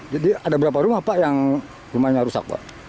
jadi ada berapa rumah pak yang rumahnya rusak pak